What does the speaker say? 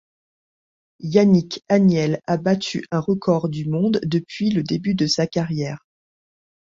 Yannick Agnel a battu un record du monde depuis le début de sa carrière.